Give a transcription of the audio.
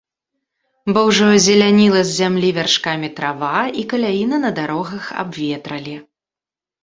Бо ўжо зеляніла з зямлі вяршкамі трава, і каляіны на дарогах абветралі.